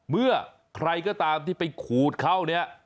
เมื่อใครก็ตามที่ไปขูดเข้าเนี่ย